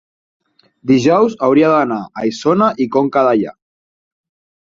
dijous hauria d'anar a Isona i Conca Dellà.